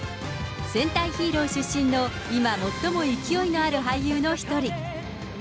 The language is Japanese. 戦隊ヒーロー出身の今、最も勢いのある俳優の一人。